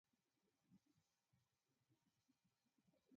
سړی نه پوهېږي چې فرانسوي لیکوال به دا جعلکاري ولې کړې وي.